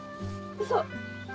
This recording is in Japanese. うそ！